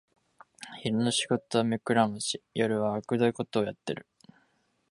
昼の仕事は目くらまし、夜はあくどいことをやってる